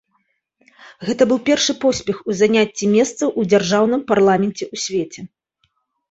Гэта быў першы поспех у заняцці месцаў у дзяржаўным парламенце ў свеце.